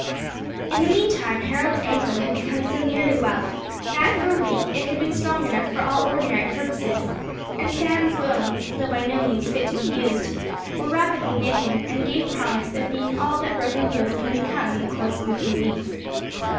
In the meantime Harold's ankle had become so nearly well, that for a week it had been strong enough for all ordinary purposes; and Sam's bones, though by no means fit to be used, were rapidly knitting, and gave promise of being all that broken bones can become in the course of a few weeks.